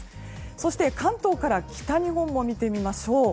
そして、関東から北日本を見てみましょう。